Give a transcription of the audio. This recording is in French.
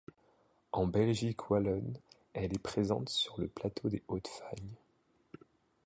En Belgique wallonne elle est présente sur le Plateau des Hautes-Fagnes.